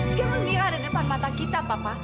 sekarang mira ada depan mata kita papa